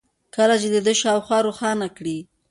كله چي د ده شا و خوا روښانه كړي